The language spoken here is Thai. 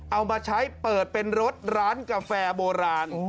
เอามาใช้เปิดเป็นรถร้านกาแฟโบราณ